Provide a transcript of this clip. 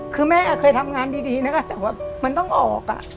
คือแม่เคยทำงานดีนะคะแต่ว่ามันต้องออก